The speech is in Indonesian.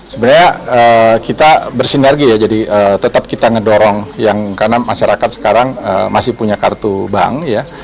sebenarnya kita bersinergi ya jadi tetap kita ngedorong yang karena masyarakat sekarang masih punya kartu bank ya